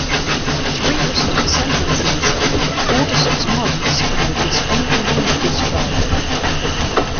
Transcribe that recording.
Three received sentences of four to six months and were dishonorably discharged.